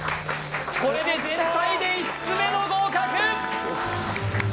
これで全体で５つ目の合格！